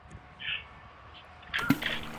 位于安徽省广德县的誓节镇。